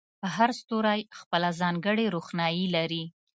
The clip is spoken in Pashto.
هر ستوری خپله ځانګړې روښنایي لري.